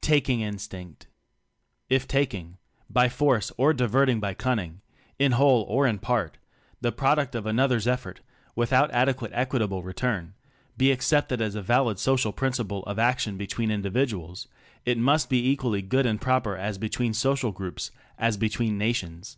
Taking Instinct. If taking by force or diverting by cunning, in whole or in part the product of another's effort, without adequate equitable return, be accept ed as a valid social principle of action between individuals, it must be equally good and proper as be tween social groups, as between na tions.